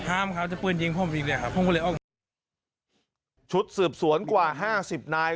ห้ามครับจะปืนยิงพวกมันอยู่เลยครับพวกมันเลยชุดสืบสวนกว่าห้าสิบนาย